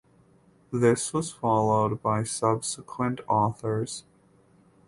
This was followed by subsequent authors.